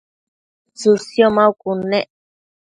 tsësio maucud nec